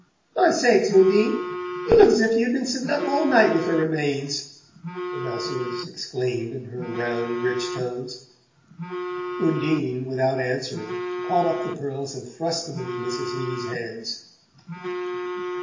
"My sakes. Undine! You look's if you'd been setting up all night with a remains!" the masseuse exclaimed in her round rich tones. Undine, without answering, caught up the pearls and thrust them into Mrs. Heeny's hands.